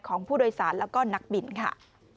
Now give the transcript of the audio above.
ของผู้โดยสารแล้วก็นักบินค่ะ